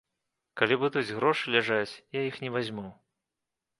Калі будуць грошы ляжаць, я іх не вазьму.